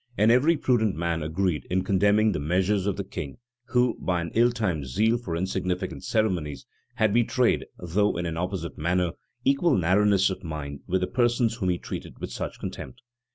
And every prudent man agreed in condemning the measures of the king, who, by an ill timed zeal for insignificant ceremonies, had betrayed, though in an opposite manner, equal narrowness of mind with the persons whom he treated with such contempt.